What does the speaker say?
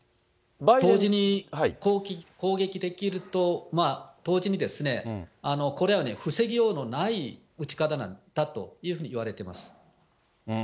同時に攻撃できると同時に、これは防ぎようのない撃ち方なんだというふうにいわれてます。